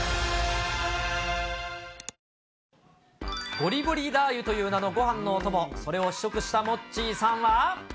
ゴリゴリラー油という名のごはんのお供、それを試食したモッチーさんは。